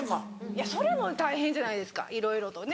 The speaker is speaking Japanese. いやそれも大変じゃないですかいろいろとね。